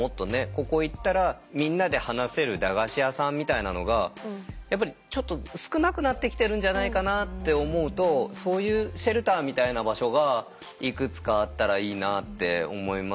ここ行ったらみんなで話せる駄菓子屋さんみたいなのがやっぱりちょっと少なくなってきてるんじゃないかなって思うとそういうシェルターみたいな場所がいくつかあったらいいなって思いますよね。